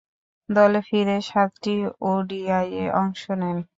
দলে ফিরে সাতটি ওডিআইয়ে অংশ নেন।